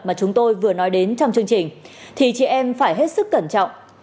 mà chúng tôi vừa nói đến trong chương trình thì chị em phải hết sức cẩn trọng